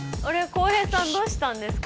浩平さんどうしたんですか？